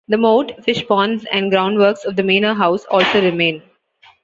The moat, fish ponds and groundworks of the manor house also remain.